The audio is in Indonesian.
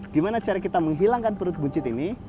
gimana cara kita menghilangkan perut buncit ini